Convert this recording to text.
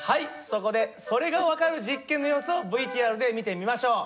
そこでそれが分かる実験の様子をＶＴＲで見てみましょう。